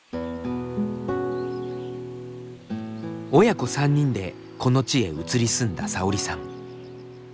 親子３人でこの地へ移り住んださおりさん。